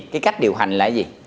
cái cách điều hành là gì